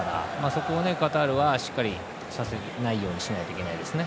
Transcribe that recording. そこをカタールはさせないようにしないといけないですね。